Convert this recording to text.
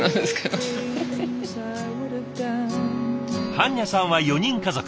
盤若さんは４人家族。